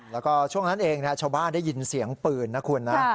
แล้วก็ช่วงนั้นเองชาวบ้านได้ยินเสียงปืนนะคุณนะ